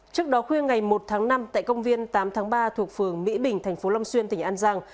trước đó khuya ngày một tháng năm tại công viên tám tháng ba thuộc phường mỹ bình thành phố long xuyên tỉnh an giang